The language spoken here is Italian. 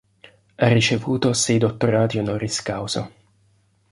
Ha ricevuto sei Dottorati "honoris causa".